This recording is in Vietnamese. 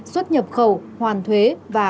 xuất nhập khẩu hoàn thuế và